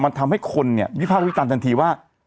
มันทำให้คนเนี่ยวิภาควิจารณทันทีว่า